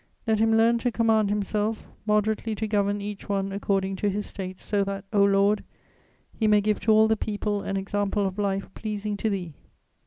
Let him learn to command himself, moderately to govern each one according to his state, so that, O Lord, he may give to all the people an example of life pleasing to Thee!"